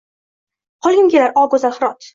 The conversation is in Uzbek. Qolgim kelar, o, go’zal Hirot.